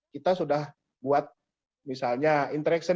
kita sudah buat misalnya interaction